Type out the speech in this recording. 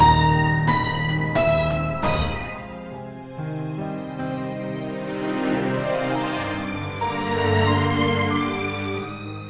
kau nouvelles indonesia lalu jadi saya